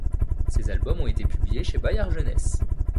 Ces albums ont été publiés chez Bayard Jeunesse.